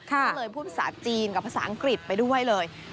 ก็เลยพูดภาษาจีนกับภาษาอังกฤษไปด้วยเลย